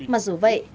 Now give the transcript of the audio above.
mà dù vậy